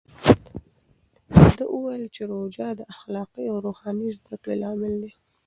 ده وویل چې روژه د اخلاقي او روحاني زده کړې لامل ده.